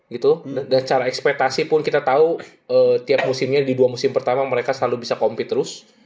gitu dan cara ekspetasi pun kita tahu tiap musimnya di dua musim pertama mereka selalu bisa compete terus